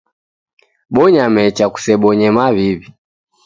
Bonya mecha, kusebonye maw'iw'i.